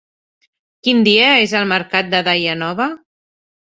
Quin dia és el mercat de Daia Nova?